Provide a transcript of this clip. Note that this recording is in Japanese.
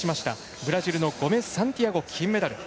ブラジルのゴメスサンティアゴ金メダル。